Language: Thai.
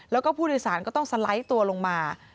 แล้วก็ผู้โดยสารก็ต้องสไลด์ตัวลงมา